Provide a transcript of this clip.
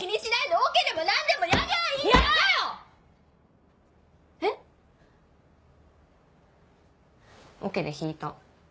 オケで弾いた。